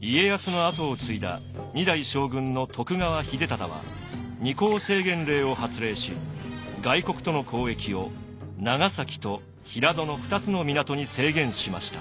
家康の跡を継いだ二代将軍の徳川秀忠は二港制限令を発令し外国との交易を長崎と平戸の２つの港に制限しました。